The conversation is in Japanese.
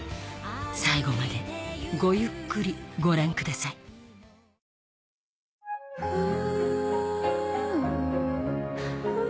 最後までごゆっくりご覧くださいフゥ。